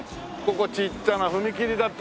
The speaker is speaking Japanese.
ここちっちゃな踏切だった。